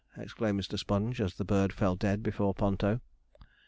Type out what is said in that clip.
exclaimed Mr. Sponge, as the bird fell dead before Ponto.